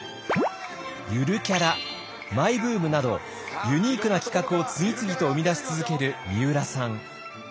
「ゆるキャラ」「マイブーム」などユニークな企画を次々と生み出し続けるみうらさん。